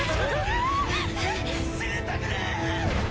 死にたくねぇ！